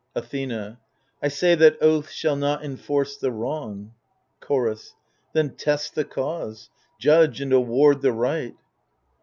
Athena I say that oaths shall not enforce the wrong. Chorus Then test the cause, judge and award the right.